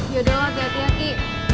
yaudah lah hati hati